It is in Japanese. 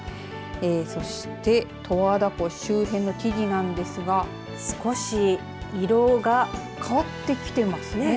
そして十和田湖周辺の木々なんですが少し色が変わってきてますね。